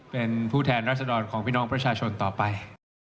เป็นผู้แทนรัศดรของพี่น้องประชาชนต่อไป